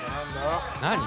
何？